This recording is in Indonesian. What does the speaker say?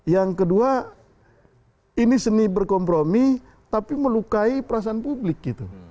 yang kedua ini seni berkompromi tapi melukai perasaan publik gitu